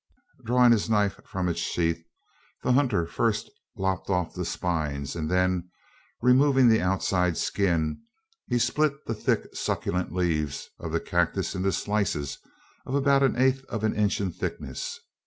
Drawing his knife from its sheath, the hunter first lopped off the spines; and then, removing the outside skin, he split the thick succulent leaves of the cactus into slices of about an eighth of an inch in thickness.